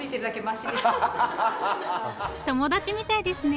友達みたいですね。